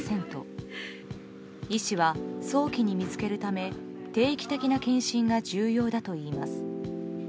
医師は早期に見つけるため定期的な検診が重要だといいます。